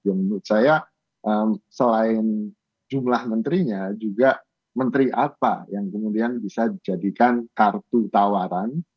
menurut saya selain jumlah menterinya juga menteri apa yang kemudian bisa dijadikan kartu tawaran